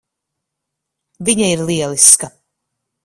Viņa ir lieliska.